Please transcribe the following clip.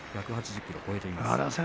１８０ｋｇを超えています。